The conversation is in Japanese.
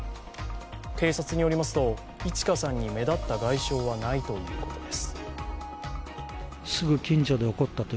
警察によりますと、いち花さんに目立った外傷はないということです。